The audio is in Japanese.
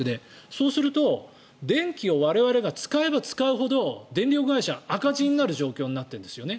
そうすると、電気を我々が使えば使うほど電力会社は赤字になる状況なんですね。